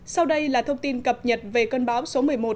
sau đây là thông tin cập nhật về cơn bão số một mươi một